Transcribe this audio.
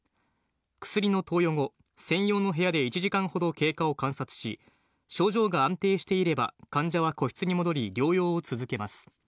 薬の投与後、専用の部屋で１時間ほど経過を観察し、症状が安定していれば、患者は個室に戻り、療養を続けます。